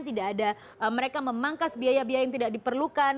tidak ada mereka memangkas biaya biaya yang tidak diperlukan